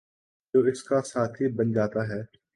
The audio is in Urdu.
جو اس کا ساتھی بن جاتا ہے